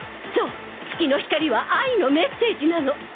そう月の光は愛のメッセージなの